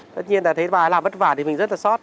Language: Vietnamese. tất nhiên là thấy bà làm vất vả thì mình rất là sót